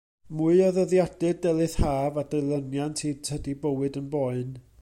Mwy o ddyddiadur Delyth Haf, a dilyniant i Tydi bywyd yn boen!